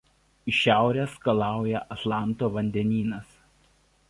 Iš šiaurės skalauja Atlanto vandenynas.